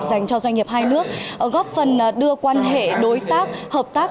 dành cho doanh nghiệp hai nước góp phần đưa quan hệ đối tác hợp tác